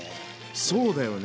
そうだよね。